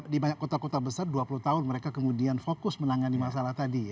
di banyak kota kota besar dua puluh tahun mereka kemudian fokus menangani masalah tadi